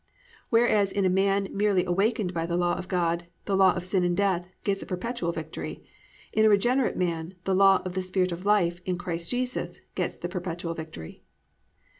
Whereas in a man merely awakened by the law of God, "the law of sin and death" gets a perpetual victory, in a regenerate man, the "law of the Spirit of life in Christ Jesus" gets the perpetual victory.